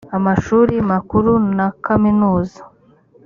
amashuri makuru na kaminuza.